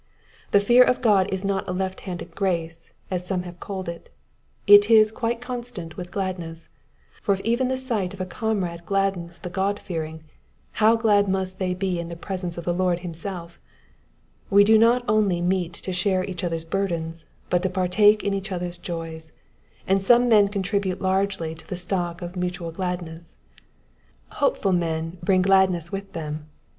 The fear of God is not a left handed grace, as some have called it ; it is quite consistent with gladness ; for if even the sight of a comrade £laddens the God fearing, how glad must they be in the presence of the lOrd himself I We do not only meet to share each others' burdens, but to partake in each others' joys, and some men contribute largely to the stock of mutual gladness. Hopeful men bring gladness with them.